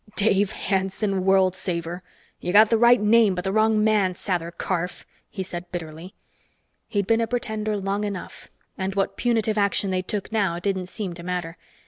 "Dave Hanson, world saver! You got the right name but the wrong man, Sather Karf," he said bitterly. He'd been a pretender long enough, and what punitive action they took now didn't seem to matter.